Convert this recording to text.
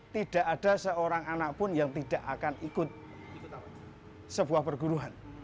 tidak ada seorang anak pun yang tidak akan ikut sebuah perguruan